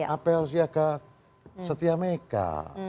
apel siaga setia mereka